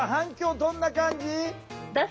どんな感じ？